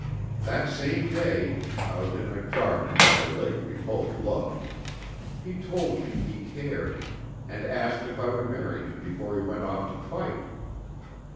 That same day, out in a garden by a lake we both loved, he told me he cared, and asked if I would marry him before he went off to fight.